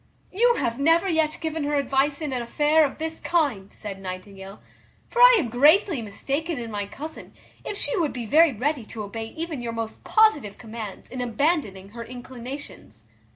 "You have never yet given her advice in an affair of this kind," said Nightingale; "for I am greatly mistaken in my cousin, if she would be very ready to obey even your most positive commands in abandoning her inclinations."